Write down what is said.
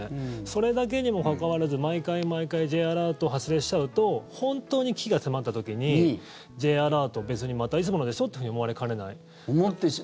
それだけにもかかわらず毎回毎回Ｊアラートを発令しちゃうと本当に危機が迫った時にＪアラート別にまたいつものでしょって思われかねない。